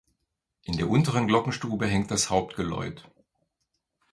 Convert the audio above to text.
In der unteren Glockenstube hängt das Hauptgeläut.